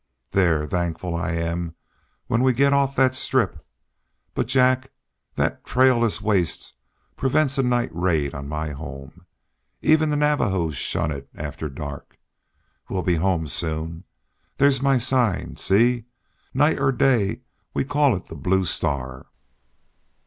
"There! thankful I am when we get off that strip! But, Jack, that trailless waste prevents a night raid on my home. Even the Navajos shun it after dark. We'll be home soon. There's my sign. See? Night or day we call it the Blue Star."